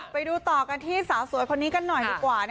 ไปดูต่อกันที่สาวสวยคนนี้กันหน่อยดีกว่า